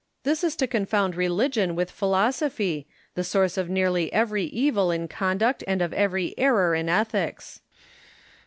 This is to confound religion with philosophy, the source of nearly every evil in conduct and of every error in ethics.